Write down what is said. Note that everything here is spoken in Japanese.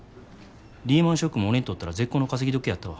リーマンショックも俺にとったら絶好の稼ぎ時やったわ。